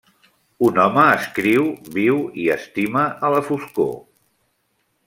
Un home escriu, viu i estima a la foscor.